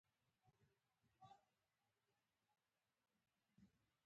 هره جمله یو ځانګړی پیغام لري.